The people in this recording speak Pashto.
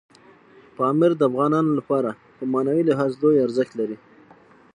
پامیر د افغانانو لپاره په معنوي لحاظ لوی ارزښت لري.